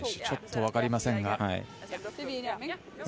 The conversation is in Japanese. ちょっとわかりませんが。